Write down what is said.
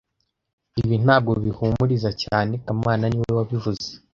Ibi ntabwo bihumuriza cyane kamana niwe wabivuze